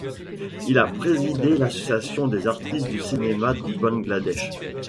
Il a présidé l'Association des artistes du cinéma du Bangladesh.